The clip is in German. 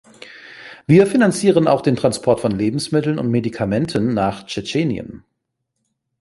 Wir finanzieren auch den Transport von Lebensmitteln und Medikamenten nach Tschetschenien.